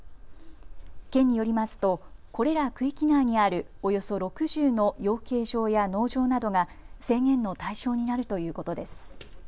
県によりますとこれら区域内にあるおよそ６０の養鶏場や農場などが制限の対象になるということです。